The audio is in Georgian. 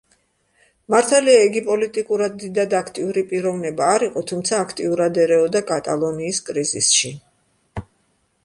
მართალია, იგი პოლიტიკურად დიდად აქტიური პიროვნება არ იყო, თუმცა აქტიურად ერეოდა კატალონიის კრიზისში.